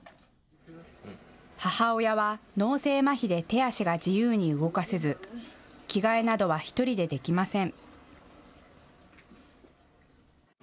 母親は脳性まひで手足が自由に動かせず、着替えなどは１人でできません。